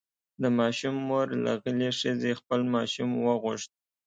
د ماشوم مور له غلې ښځې خپل ماشوم وغوښت.